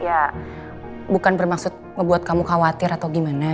ya bukan bermaksud ngebuat kamu khawatir atau gimana